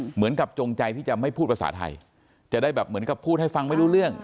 จงใจที่จะไม่พูดภาษาไทยจะได้แบบเหมือนกับพูดให้ฟังไม่รู้เรื่อง